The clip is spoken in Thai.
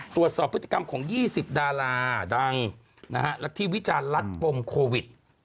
ตรวจสอบพฤติกรรมของ๒๐ดาราดังและที่วิจารณ์รัฐปมโควิด